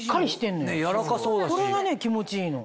これがね気持ちいいの。